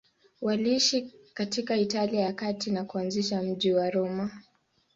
Waliishi katika Italia ya Kati na kuanzisha mji wa Roma.